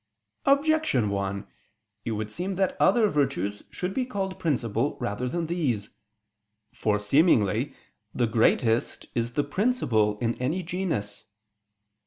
Objection 1: It would seem that other virtues should be called principal rather than these. For, seemingly, the greatest is the principal in any genus.